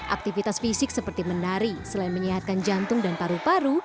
aktivitas fisik seperti menari selain menyehatkan jantung dan paru paru